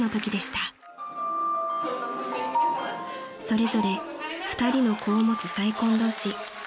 ［それぞれ２人の子を持つ再婚同士］